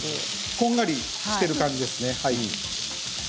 こんがりしている感じですかね。